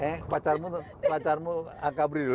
eh pacarmu pacarmu angka beri dulu ya